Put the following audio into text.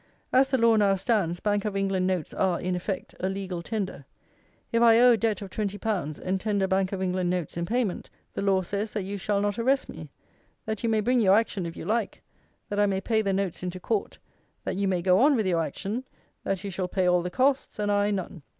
As the law now stands, Bank of England notes are, in effect, a legal tender. If I owe a debt of twenty pounds, and tender Bank of England notes in payment, the law says that you shall not arrest me; that you may bring your action, if you like; that I may pay the notes into Court; that you may go on with your action; that you shall pay all the costs, and I none.